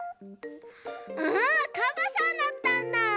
あカバさんだったんだ。